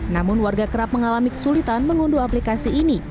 namun warga kerap mengalami kesulitan mengunduh aplikasi ini